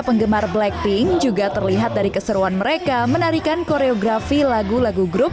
penggemar blackpink juga terlihat dari keseruan mereka menarikan koreografi lagu lagu grup